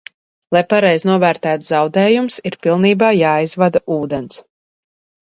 Lai pareizi novērtētu zaudējumus, ir pilnībā jāaizvada ūdens.